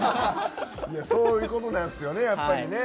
そういうことなんですよねやっぱりね。